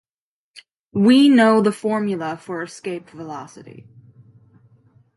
We know the formula for escape velocity.